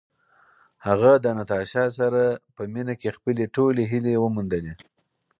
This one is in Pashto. هغه د ناتاشا سره په مینه کې خپلې ټولې هیلې وموندلې.